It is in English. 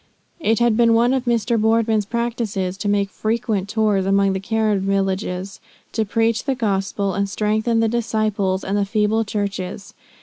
It had been one of Mr. Boardman's practices to make frequent tours among the Karen villages, to preach the gospel, and strengthen the disciples and the feeble churches.